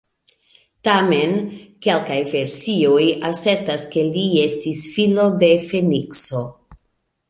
Tamen, kelkaj versioj asertas ke li estis filo de Fenikso.